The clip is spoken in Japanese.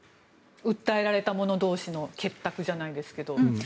訴えられた者同士の結託じゃないですけど。